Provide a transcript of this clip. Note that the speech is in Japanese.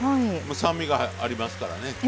酸味がありますからね。